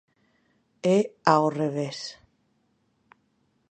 E ao revés.